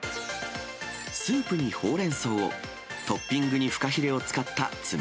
スープにホウレンソウを、トッピングにフカヒレを使った冷